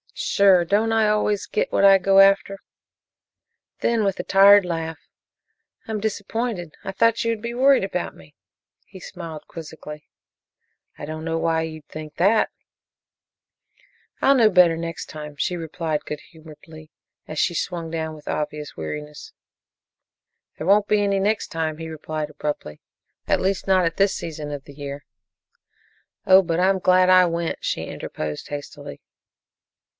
"Sure. Don't I always get what I go after?" Then, with a tired laugh, "I'm disappointed; I thought you would be worried about me." He smiled quizzically. "I don't know why you'd think that." "I'll know better next time," she replied good humoredly, as she swung down with obvious weariness. "There won't be any next time," he replied abruptly, "at least not at this season of the year." "Oh, but I'm glad I went," she interposed hastily.